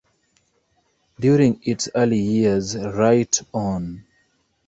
During its early years, Right On!